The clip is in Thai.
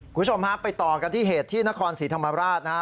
คุณผู้ชมฮะไปต่อกันที่เหตุที่นครศรีธรรมราชนะฮะ